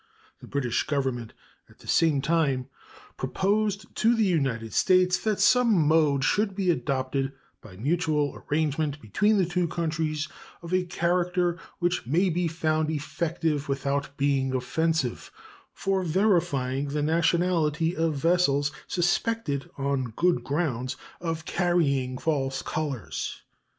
The British Government at the same time proposed to the United States that some mode should be adopted, by mutual arrangement between the two countries, of a character which may be found effective without being offensive, for verifying the nationality of vessels suspected on good grounds of carrying false colors.